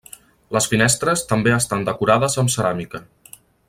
Les finestres també estan decorades amb ceràmica.